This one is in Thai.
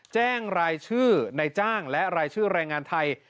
แจ้งรายชื่อในจ้างและรายชื่อแรงงานไทย